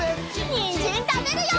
にんじんたべるよ！